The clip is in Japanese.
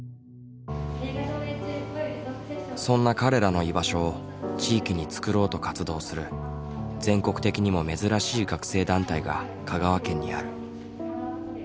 そんな彼らの居場所を地域に作ろうと活動する全国的にも珍しい学生団体が香川県にある。